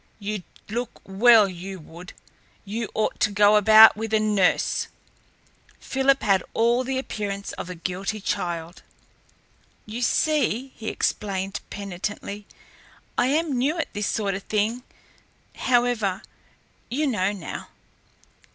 You'd look well, you would! You ought to go about with a nurse!" Philip had all the appearance of a guilty child. "You see," he explained penitently, "I am new to this sort of thing. However, you know now."